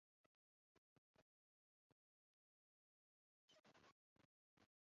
柑桔皱叶刺节蜱为节蜱科皱叶刺节蜱属下的一个种。